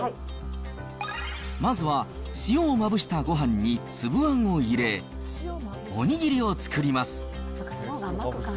まずは塩をまぶしたごはんに粒あんを入れ、おにぎりを作ります。